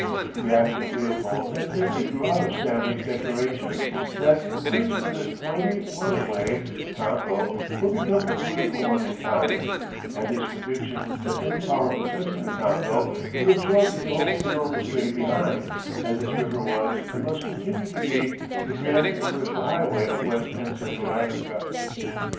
The action of Leopold evidently grew out of Stanley's declarations that "the question of this mighty waterway (the Congo) will become a political one in time," and his conviction that any power possessing the Congo would absorb the whole enormous trade behind, as this river was and must continue to be, the grand commercial highway of West and Central Africa.